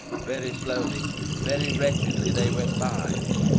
Very slowly, very wretchedly they went by.